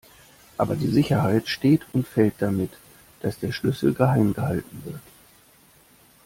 Aber die Sicherheit steht und fällt damit, dass der Schlüssel geheim gehalten wird.